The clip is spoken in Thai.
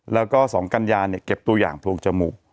แล้วก็๒กัญญาเนี่ยเก็บตัวอย่างโพรงจมูก